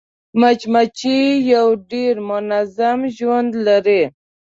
مچمچۍ یو ډېر منظم ژوند لري